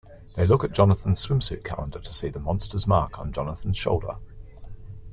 They look at Jonathan's swimsuit calendar to see the monster's mark on Jonathan's shoulder.